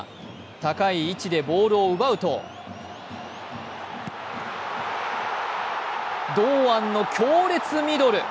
高い位置でボールを奪うと堂安の強烈ミドル。